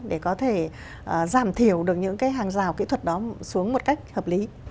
để có thể giảm thiểu được những cái hàng rào kỹ thuật đó xuống một cách hợp lý